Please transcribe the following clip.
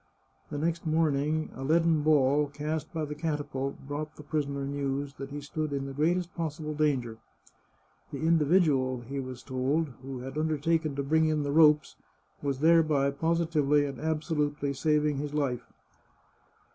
The next morning a leaden ball, cast by the catapult, brought the prisoner news that he stood in the greatest possible danger. The individual, he was told, who had undertaken to bring in the ropes was thereby positively and absolutely saving his life.